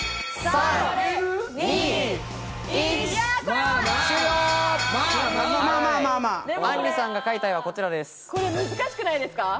あんりさんが描いた絵は、こちらです。